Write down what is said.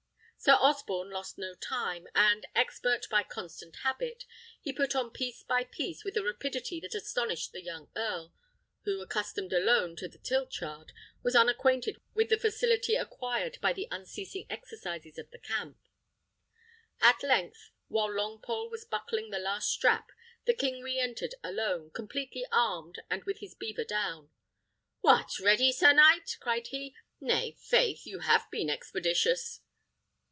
Sir Osborne lost no time, and, expert by constant habit, he put on piece by piece with a rapidity that astonished the young earl, who, accustomed alone to the tilt yard, was unacquainted with the facility acquired by the unceasing exercises of the camp. At length, while Longpole was buckling the last strap, the king re entered alone, completely armed, and with his beaver down. "What! ready, sir knight?" cried he; "nay, 'faith, you have been expeditious."